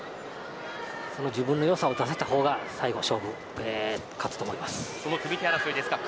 自分の良さを出せた方が最後の勝負に勝つと思います。